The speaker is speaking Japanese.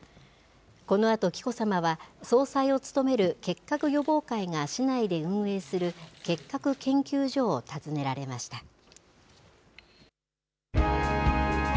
このあと紀子さまは、総裁を務める結核予防会が市内で運営する結核研究所を訪ねられました。